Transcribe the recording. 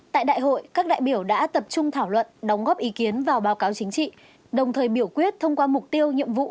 tại đại hội các đại biểu đã tập trung thảo luận đóng góp ý kiến vào báo cáo chính trị đồng thời biểu quyết thông qua mục tiêu nhiệm vụ